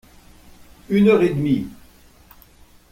Une heure et demie.